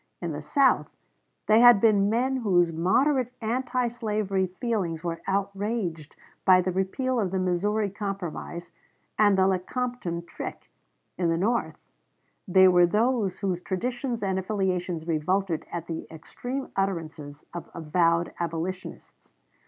In the South, they had been men whose moderate anti slavery feelings were outraged by the repeal of the Missouri Compromise and the Lecompton trick. In the North, they were those whose traditions and affiliations revolted at the extreme utterances of avowed abolitionists.